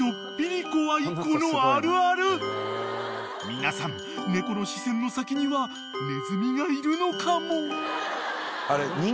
［皆さん猫の視線の先にはネズミがいるのかも］